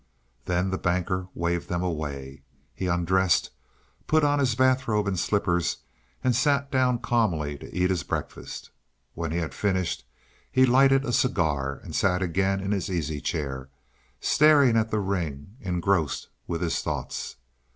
Then the Banker waved them away. He undressed, put on his bath robe and slippers and sat down calmly to eat his breakfast. When he had finished he lighted a cigar and sat again in his easy chair, staring at the ring, engrossed with his thoughts.